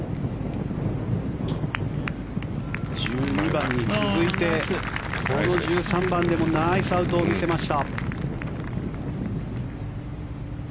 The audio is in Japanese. １２番に続いてこの１３番でもナイスアウトを見せました。